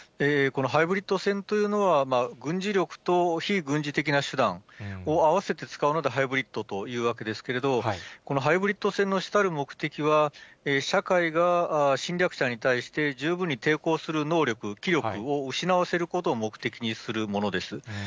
このハイブリッド戦というのは、軍事力と非軍事的な手段を合わせて使うので、ハイブリッドというわけなんですけれども、このハイブリッド戦の主たる目的は、社会が侵略者に対して十分に抵抗する能力、気力を失わせることを目的にするものです。